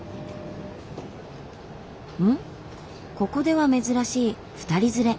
ここでは珍しい２人連れ。